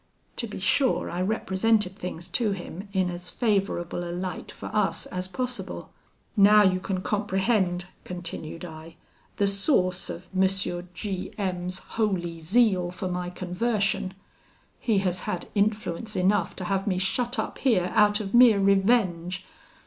To be sure, I represented things to him in as favourable a light for us as possible. 'Now you can comprehend,' continued I, 'the source of M. G M 's holy zeal for my conversion. He has had influence enough to have me shut up here, out of mere revenge.